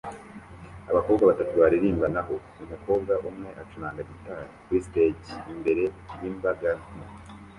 Abakobwa batatu baririmba naho umukobwa umwe acuranga gitari kuri stage imbere yimbaga nto